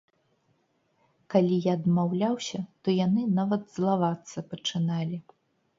Калі я адмаўляўся, то яны нават злавацца пачыналі.